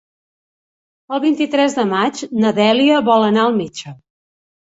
El vint-i-tres de maig na Dèlia vol anar al metge.